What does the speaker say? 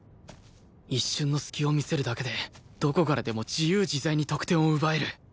一瞬の隙を見せるだけでどこからでも自由自在に得点を奪える